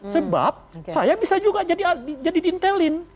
sebab saya bisa juga jadi diintelin